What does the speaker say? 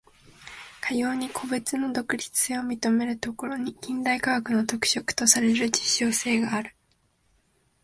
かように個物の独立性を認めるところに、近代科学の特色とされる実証性がある。